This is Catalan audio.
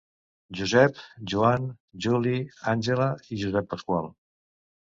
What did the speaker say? Josep, Joan, Juli, Àngela i Josep Pasqual.